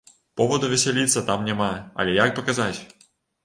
Поваду весяліцца там няма, але як паказаць?